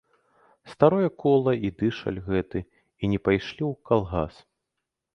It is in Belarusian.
Старое кола і дышаль гэты і не пайшлі ў калгас.